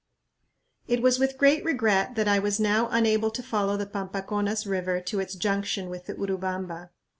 It was with great regret that I was now unable to follow the Pampaconas River to its junction with the Urubamba.